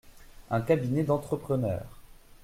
Un cabinet d’entrepreneur.